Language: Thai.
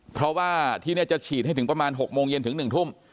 เพราะว่าที่นี่จะฉีดให้ถึงประมาณ๖โมงเย็นถึง๑ทุ่ม